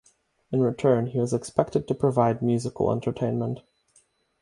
In return, he was expected to provide musical entertainment.